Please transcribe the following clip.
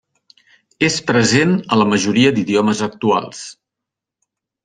És present a la majoria d'idiomes actuals.